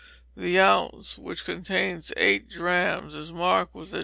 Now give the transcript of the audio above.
the ounce, which contains eight drachms, is marked [*ounce]i.